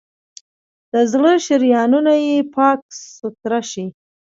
د زړه شریانونه یې پاک سوتره شي.